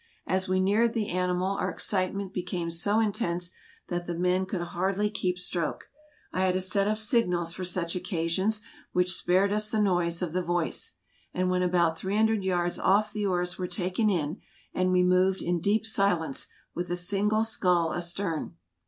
As we neared the animal our excitement became so intense that the men could hardly keep stroke. I had a set of sig nals for such occasions which spared us the noise of the voice, and when about three hundred yards off the oars were taken in, and we moved in deep silence with a single scull astern.